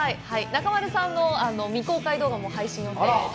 中丸さんの未公開動画も配信予定です。